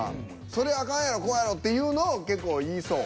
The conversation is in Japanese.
「それあかんやろこうやろ」っていうのを結構言いそう。